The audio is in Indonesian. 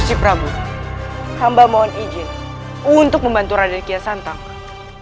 selain ini kami juga berusaha untuk membantu dengan fimu